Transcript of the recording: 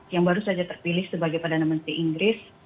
yang baru saja terpilih sebagai perdana menteri inggris